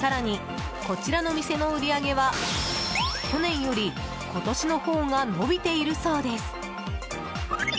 更に、こちらの店の売り上げは去年より今年のほうが伸びているそうです。